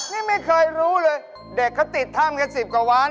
นี่ไม่เคยรู้เลยเด็กเขาติดถ้ำกัน๑๐กว่าวัน